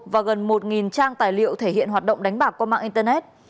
và gần một trang tài liệu thể hiện hoạt động đánh bạc qua mạng internet